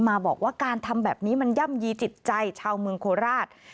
มาบอกว่าการทำแบบนี้มันย่ำยีจิตใจชาวเมืองโคราช